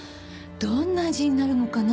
どんな味になるのかな？